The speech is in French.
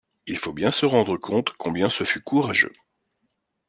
Il faut bien se rendre compte combien ce fut courageux.